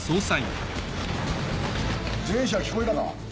全車聞こえたか？